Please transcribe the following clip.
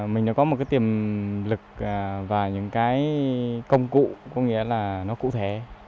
mình đã có một tiềm lực và những công cụ cụ thể